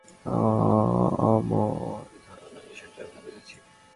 আমর ধারণা বিষয়টা আমরা বুঝেছি।